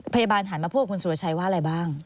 พยาบาลหันมาพูดกับคุณสุรชัยว่าอะไรบ้าง